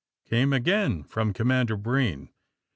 came again from Commander Breen.